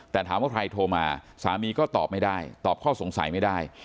แต่ถามว่าใครโทรมาสามีก็ตอบไม่ได้ตอบข้อสงสัยไม่ได้